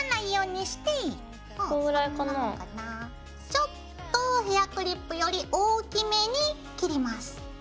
ちょっとヘアクリップより大きめに切ります。